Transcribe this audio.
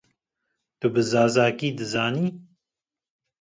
Tu bi zazakî dizanî?